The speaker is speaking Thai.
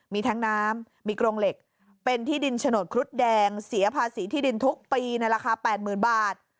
มีทั้งน้ำมีกรงเหล็กเป็นที่ดินโฉนดครุฑแดงเสียภาษีที่ดินทุกปีในราคา๘๐๐๐บาท